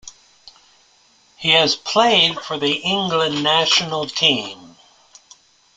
He has played for the England national team.